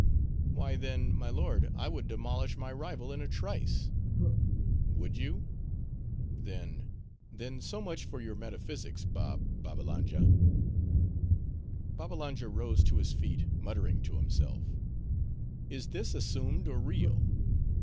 "Why then, my lord, I would demolish my rival in a trice." "Would you?—then—then so much for your metaphysics, Bab—Babbalanja." Babbalanja rose to his feet, muttering to himself—"Is this assumed, or real?